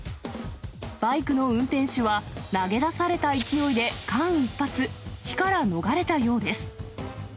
バイクの運転手は投げ出された勢いで間一髪、火から逃れたようです。